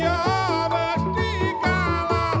ya mesti kalah